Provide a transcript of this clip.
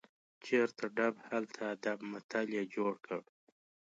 چیرته ډب، هلته ادب متل یې جوړ کړ.